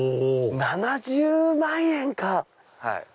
７０万円か！